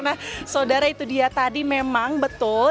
nah saudara itu dia tadi memang betul